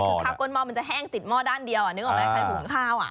คือข้าวก้นหม้อมันจะแห้งติดหม้อด้านเดียวนึกออกไหมใครหุงข้าว